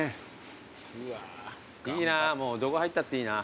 いいなもうどこ入ったっていいな。